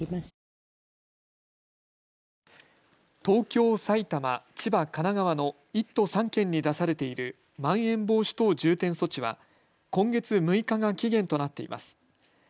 東京、埼玉、千葉、神奈川の１都３県に出されているまん延防止等重点措置は今月６日が期限となっています。